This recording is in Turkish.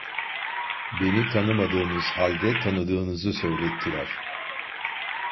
Beni tanımadığınız halde, tanıdığınızı söylettiler…